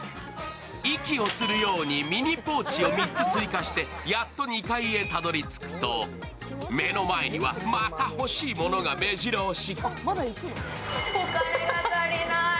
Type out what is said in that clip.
息をするようにミニポーチを３つ追加して、やっと２階にたどり着くと目の前には、また欲しいものがめじろ押し。